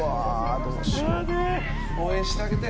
応援してあげて。